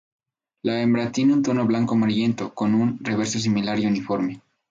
La hembra tiene un tono blanco-amarillento, con el reverso similar y uniforme.